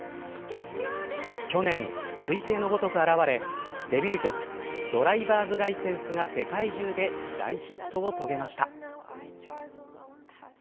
去年、彗星のごとく現れデビュー曲ドライバーズ・ライセンスが世界中で大ヒットを遂げました。